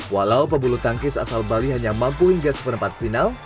walau pembuluh tangis asal bali hanya mampu hingga sepenepat final